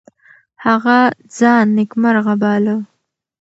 هغه ځان نیکمرغه باله.